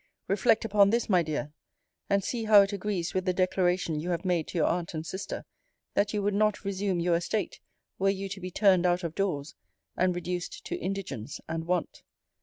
Reflect upon this, my dear, and see how it agrees with the declaration you have made to your aunt and sister, that you would not resume your estate, were you to be turned out of doors, and reduced to indigence and want.